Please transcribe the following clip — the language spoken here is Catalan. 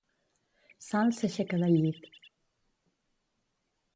Sal s'aixeca del llit.